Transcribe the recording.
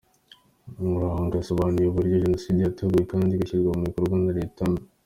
Nkuranga yasobanuye uburyo Jenoside yateguwe kandi igashyirwa mu bikorwa na leta mbi.